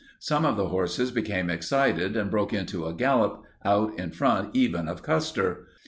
Some of the horses became excited and broke into a gallop, out in front even of Custer.